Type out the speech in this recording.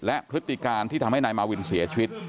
และพฤติการที่ทำให้นายมาวินเสียชีวิต